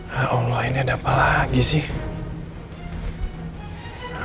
nah allah ini ada apa lagi sih